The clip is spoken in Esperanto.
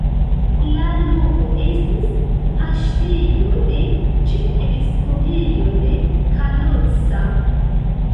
La loko estis paŝtejo de ĉefepiskopejo de Kalocsa.